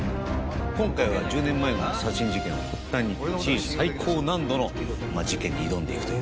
今回は１０年前の殺人事件の発端にシリーズ最高難度の事件に挑んでいくという。